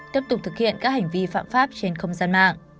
tiếp tục thực hiện các hành vi phạm pháp trên không gian mạng